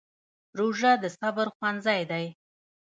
روژه د صبر ښوونځی دی.